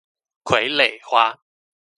傀儡花